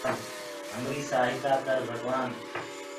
همريٚ سآهتآ ڪر ڀگوآن